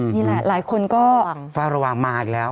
นี่แหละหลายคนก็เฝ้าระวังมาอีกแล้ว